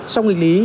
sau nghịch lý